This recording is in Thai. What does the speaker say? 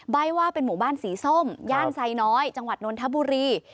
ว่าเป็นหมู่บ้านสีส้มย่านไซน้อยจังหวัดนนทบุรี